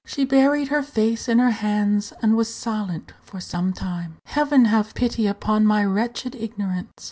She buried her face in her hands, and was silent for some time. "Heaven have pity upon my wretched ignorance!"